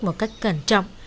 một cách cẩn trọng